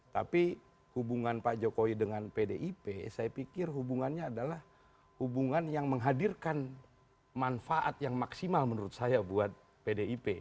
tapi hubungan pak jokowi dengan pdip saya pikir hubungannya adalah hubungan yang menghadirkan manfaat yang maksimal menurut saya buat pdip